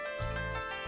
xin chào và hẹn gặp lại